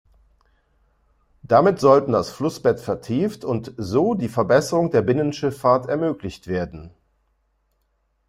Damit sollten das Flussbett vertieft und so die Verbesserung der Binnenschifffahrt ermöglicht werden.